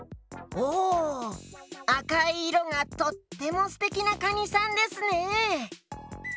おおあかいいろがとってもすてきなかにさんですね。